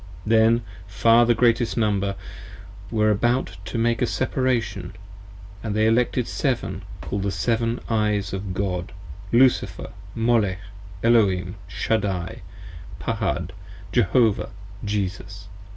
30 Then far the greatest number were about to make a Separation, And they Elected Seven, call'd the Seven Eyes of God, Lucifer, Molech, Elohim, Shaddai, Pahad, Jehovah, Jesus.